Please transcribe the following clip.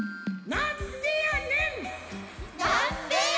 なんでやねん！